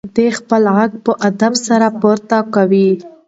دی خپل غږ په ادب سره پورته کوي.